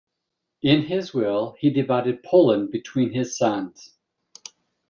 In his will, he divided Poland between his sons.